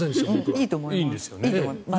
いいと思います。